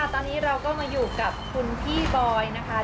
ตอนนี้เราก็มาอยู่กับคุณพี่บอยนะคะ